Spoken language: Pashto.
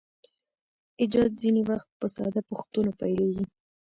ایجاد ځینې وخت په ساده پوښتنو پیلیږي.